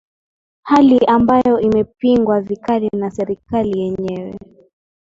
hali ambayo imepingwa vikali na serikali yenyewe